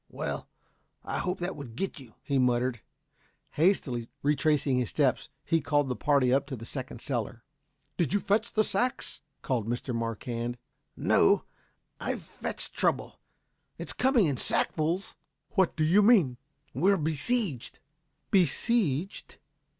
"Well; I hope that would get you," he muttered. Hastily retracing his steps he called the party up to the second cellar. "Did you fetch the sacks?" called Mr. Marquand. "No, but I've fetched trouble. It's coming in sackfuls." "What do you mean?" "We're besieged." "Besieged?"